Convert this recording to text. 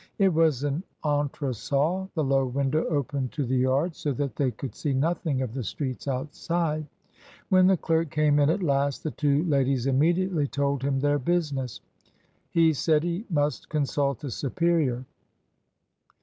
It was an entresol; the low window opened to 22 Z MRS. DYMOND. the yard, so that they could see nothing of the streets outside. When the clerk came in at last, the two ladies immediately told him their business. He said he must consult a superior.